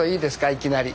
いきなり。